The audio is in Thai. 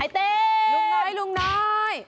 ไอ้ตีนลุงน้อย